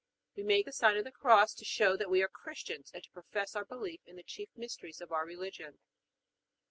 We make the sign of the Cross to show that we are Christians and to profess our belief in the chief mysteries of our religion.